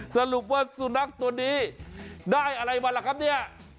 สรุปว่าสุนัขตัวนี้ได้อะไรมาล่ะครับเนี่ย